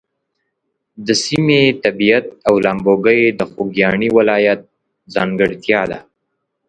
د سیمې طبیعت او لامبوګۍ د خوږیاڼي ولایت ځانګړتیا ده.